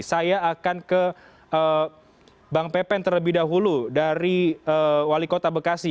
saya akan ke bang pepen terlebih dahulu dari wali kota bekasi